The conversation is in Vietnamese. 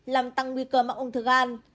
làm tăng nguy cơ mắc ung thư gan